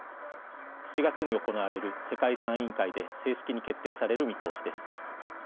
７月に行われる世界遺産委員会で正式に決定される見通しです。